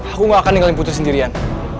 aku gak akan ninggalin putri sendirian